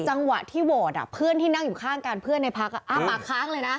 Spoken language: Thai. จังหวะที่โหวตเพื่อนที่นั่งอยู่ข้างกันเพื่อนในพักมาค้างเลยนะ